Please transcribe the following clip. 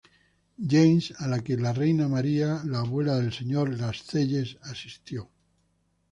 James, a la que la reina María, la abuela del señor Lascelles, asistió.